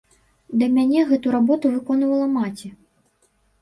Да мяне гэту работу выконвала маці.